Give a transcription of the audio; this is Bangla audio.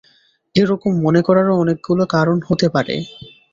এ-রকম মনে করারও অনেকগুলি কারণ হতে পারে।